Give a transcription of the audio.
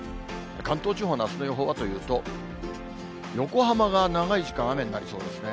関東地方のあすの予報はというと、横浜が長い時間、雨になりそうですね。